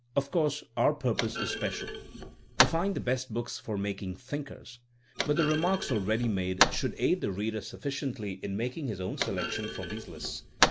Of course our purpose is special: — to find the best books for making thinkers; but the remarks already made should aid the reader suiBSciently in mak ing his own selection from these lists.